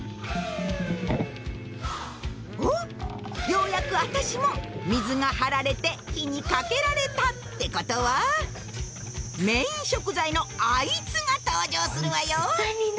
ようやくアタシも水が張られて火にかけられた！ってことはメイン食材のあいつが登場するわよ。